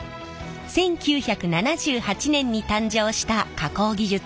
１９７８年に誕生した加工技術なんです。